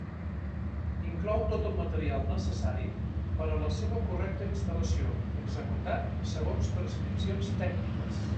Inclou tot el material necessari per a la seva correcta instal·lació, executat segons prescripcions tècniques.